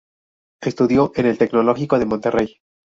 Estudió en el Tecnológico de Monterrey.